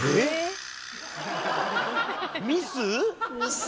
ミス？